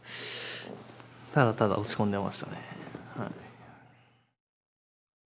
ただただ落ち込んでましたね。